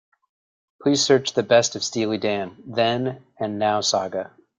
Please search The Best of Steely Dan: Then and Now saga.